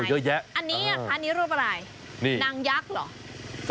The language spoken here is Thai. เยอะแยะมากมายอันนี้รูปอะไรหนังยักษ์เหรอ